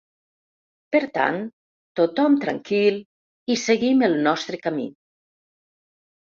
Per tant, tothom tranquil i seguim el nostre camí.